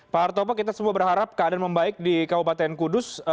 pak hartopo kita semua berharap keadaan membaik di kabupaten kudus